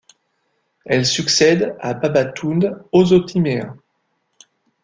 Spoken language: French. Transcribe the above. Elle succède à Babatunde Osotimehin.